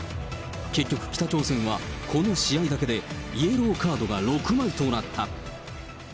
結局、北朝鮮は、この試合だけでイエローカードが６枚となった。